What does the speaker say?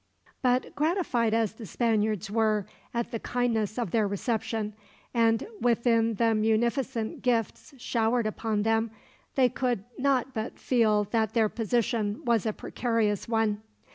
But gratified as the Spaniards were at the kindness of their reception, and within the munificent gifts showered upon them, they could not but feel that their position was a precarious one.